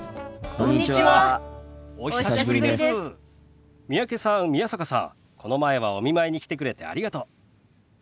この前はお見舞いに来てくれてありがとう。